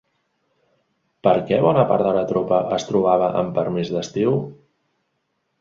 Per què bona part de la tropa es trobava amb permís d'estiu?